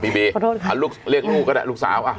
พี่บีขอโทษค่ะเอาลูกเรียกลูกก็ได้ลูกสาวอ่า